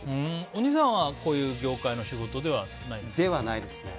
お兄さんは、こういう業界の仕事ではないんですか。